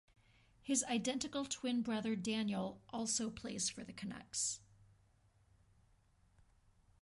His identical twin brother Daniel also plays for the Canucks.